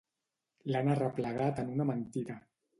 L'han arreplegat en una mentida.